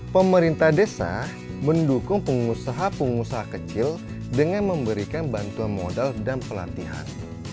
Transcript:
pemerintah desa mendukung pengusaha pengusaha kecil dengan memberikan bantuan modal dan pelatihan